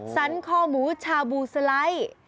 สันคอหมูชาบูสไลด์